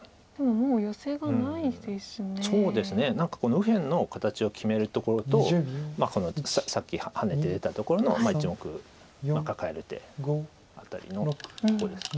右辺の形を決めるところとこのさっきハネて出たところの１目カカえる手辺りのとこですか。